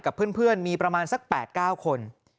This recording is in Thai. กับเพื่อนมีประมาณสัก๘๙คน